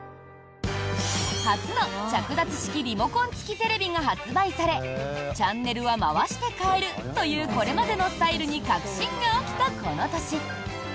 初の着脱式リモコン付きテレビが発売されチャンネルは回して変えるというこれまでのスタイルに革新が起きたこの年。